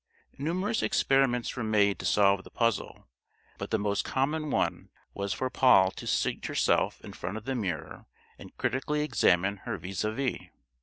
Numerous experiments were made to solve the puzzle; but the most common one was for Poll to seat herself in front of the mirror and critically examine her vis à vis.